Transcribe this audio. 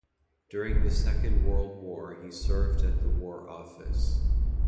During the Second World War he served at the War Office.